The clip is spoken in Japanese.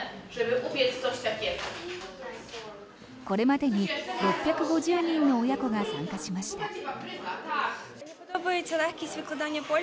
これまでに６５０人の親子が参加しました。